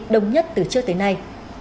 đông nhất từ trước tới nay